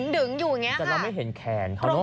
ดึงอยู่อย่างนี้แต่เราไม่เห็นแขนเขาเนอ